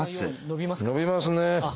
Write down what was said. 伸びますね。